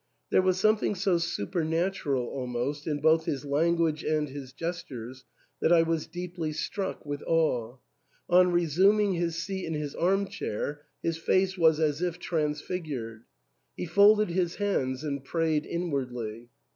There, was something so super natural almost in both his language and his gestures that I was deeply struck with awe. On resuming his seat in his arm chair his face was as if transfigured ; he folded his hands and prayed inwardly.